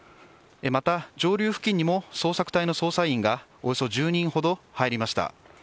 また、上流付近にも捜索隊の捜査員がおよそ１０人ほど入りました。